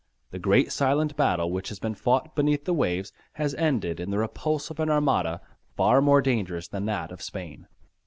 The great silent battle which has been fought beneath the waves has ended in the repulse of an armada far more dangerous than that of Spain.